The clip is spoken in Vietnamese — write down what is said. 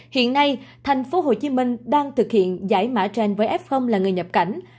hiện nay thành phố hồ chí minh đang thực hiện giải mã trên với f là người nhập cảnh